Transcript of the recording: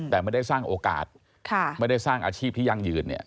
แต่ไม่ได้สร้างโอกาสไม่ได้สร้างอาชีพที่ยั่งยืนเนี่ย